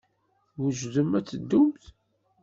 Twejdemt ad teddumt?